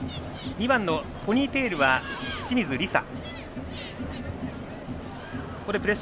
２番のポニーテールは清水梨紗。